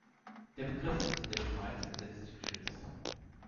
Der Begriff ist in der Schweiz gesetzlich geschützt.